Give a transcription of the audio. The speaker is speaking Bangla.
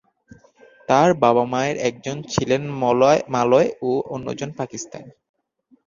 তাঁর বাবা-মায়ের একজন ছিলেন মালয় ও অন্যজন পাকিস্তানি।